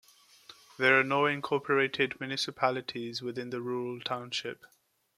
There are no incorporated municipalities within the rural township.